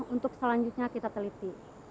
untuk selanjutnya kita teliti